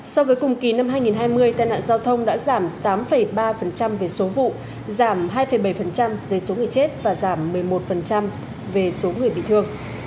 so với cùng kỳ năm hai nghìn hai mươi tai nạn giao thông đã giảm tám ba về số vụ giảm hai bảy về số người chết và giảm một mươi một về số người bị thương